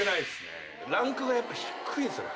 ランクがやっぱ低いんすよね。